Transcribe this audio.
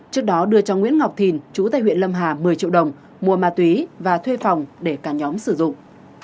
trước đó đưa cho nguyễn ngọc thìn chú tại huyện lâm hà một mươi triệu đồng mua ma túy và thuê phòng để cả nhóm sử dụng